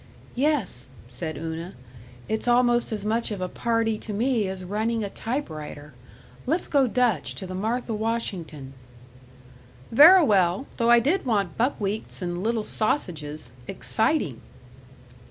"Yes," said Una, "it's almost as much of a party to me as running a typewriter.... Let's go Dutch to the Martha Washington." "Verra well. Though I did want buckwheats and little sausages. Exciting!"